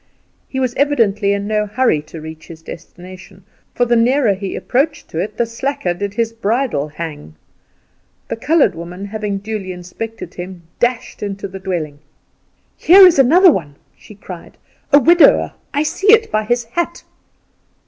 He was evidently in no hurry to reach his destination, for the nearer he approached to it the slacker did his bridle hang. The coloured woman having duly inspected him, dashed into the dwelling. "Here is another one!" she cried "a widower; I see it by his hat."